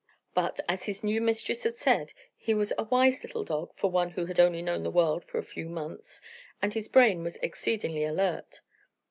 But, as his new mistress had said, he was a wise little dog for one who had only known the world for a few months, and his brain was exceedingly alert.